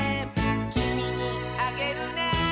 「きみにあげるね」